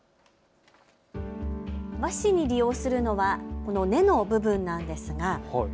和紙に利用するのはこの根の部分なんですが。